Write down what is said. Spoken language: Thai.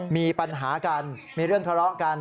มีปัญหากันมีเรื่องทะเลาะกัน